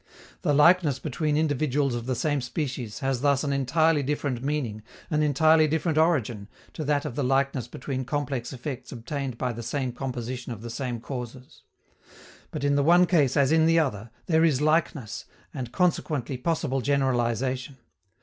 The likeness between individuals of the same species has thus an entirely different meaning, an entirely different origin, to that of the likeness between complex effects obtained by the same composition of the same causes. But in the one case as in the other, there is likeness, and consequently possible generalization.